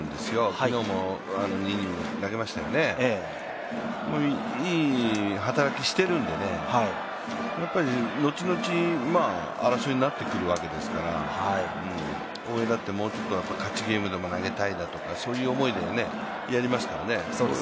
昨日２イニング投げていて、いい働きしているんでね、のちのち、争いになってくるわけですから、大江だって、もうちょっと勝ちゲームでも投げたいとか、そういう思いでやりますからね。